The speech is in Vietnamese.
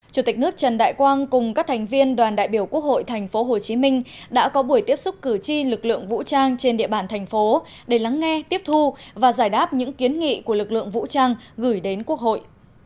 chủ tịch nước trần đại quang cùng các thành viên đoàn đại biểu quốc hội tp hcm đã có buổi tiếp xúc cử tri lực lượng vũ trang trên địa bàn thành phố để lắng nghe tiếp thu và giải đáp những kiến nghị của lực lượng vũ trang gửi đến quốc hội